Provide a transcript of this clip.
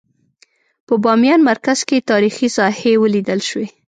په بامیان مرکز کې تاریخي ساحې ولیدل شوې.